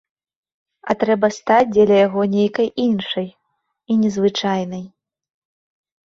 А трэба стаць дзеля яго нейкай іншай і незвычайнай.